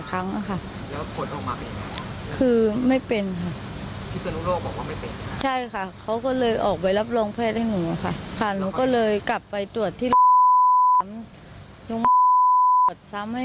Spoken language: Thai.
ครั้งไม่เป็นเขาก็เลยออกไปรับรองแพทย์หลายหนูค่ะสามให้